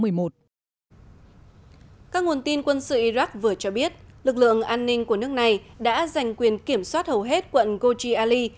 các nguồn tin quân sự iraq vừa cho biết lực lượng an ninh của nước này đã giành quyền kiểm soát hầu hết quận goji ali